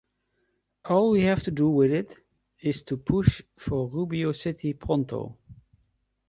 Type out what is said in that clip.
All we have to do with it is to push for Rubio City pronto.